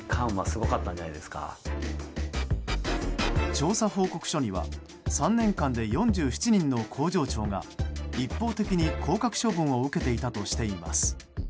調査報告書には３年間で４７人の工場長が一方的に降格処分を受けていたとしています。